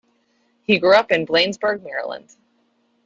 He grew up in Bladensburg, Maryland.